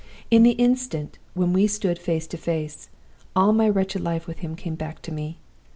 "In the instant when we stood face to face, all my wretched life with him came back to me.